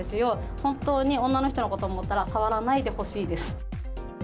本当に女の人のこと思ったら、触らないでほしいです。